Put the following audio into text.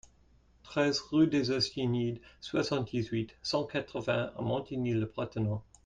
treize rue des Océanides, soixante-dix-huit, cent quatre-vingts à Montigny-le-Bretonneux